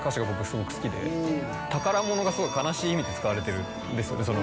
すごく好きで「宝物」がすごい悲しい意味で使われてるんですよ